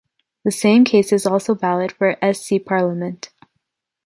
The same case is also valid for SC parliament.